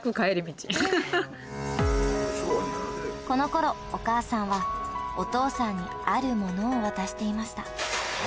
この頃お母さんはお父さんにあるものを渡していました